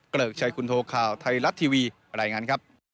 เกริกชัยคุณโทษข่าวไทยรัฐทีวีบรรยายงาน